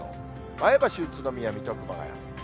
前橋、宇都宮、水戸、熊谷。